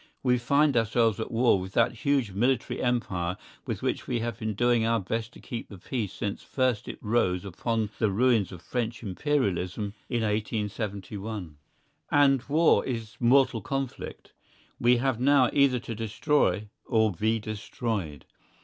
We find ourselves at war with that huge military empire with which we have been doing our best to keep the peace since first it rose upon the ruins of French Imperialism in 1871. And war is mortal conflict. We have now either to destroy or be destroyed.